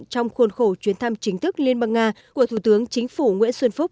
trong khuôn khổ chuyến thăm chính thức liên bang nga của thủ tướng chính phủ nguyễn xuân phúc